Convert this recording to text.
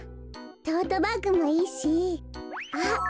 トートバッグもいいしあっ